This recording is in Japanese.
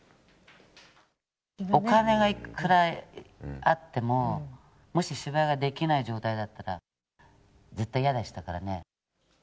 お金がいくらあっても、もし芝居ができない状態だったら、絶対、嫌でしたからね。